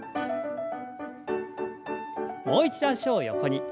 もう一度脚を横に。